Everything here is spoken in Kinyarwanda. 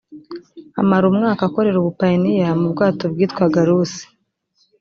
amara umwaka akorera ubupayiniya mu bwato bwitwaga rusi